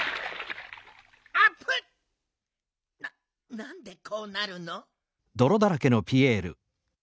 なんでこうなるの。